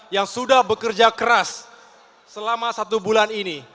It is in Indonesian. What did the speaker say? yang sudah bekerja keras selama satu bulan ini